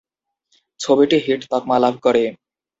ছবিটি হিট তকমা লাভ করে।